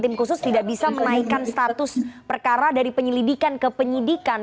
tim khusus tidak bisa menaikkan status perkara dari penyelidikan ke penyidikan